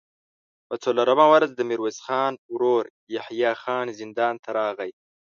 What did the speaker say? په څلورمه ورځ د ميرويس خان ورو يحيی خان زندان ته راغی.